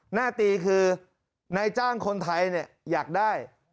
หน้าตีคือนายจ้างคนไทยอยากได้